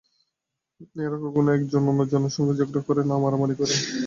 এরা কখনো এক জন অন্য জনের সঙ্গে ঝগড়া করে না, মারামারি করে।